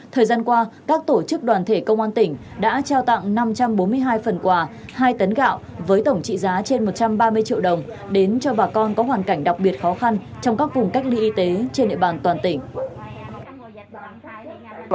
thời gian qua các tổ chức đoàn thể công an tỉnh đã trao tặng năm trăm bốn mươi hai phần quà hai tấn gạo với tổng trị giá trên một trăm ba mươi triệu đồng đến cho bà con có hoàn cảnh đặc biệt khó khăn trong các vùng cách ly y tế trên địa bàn toàn tỉnh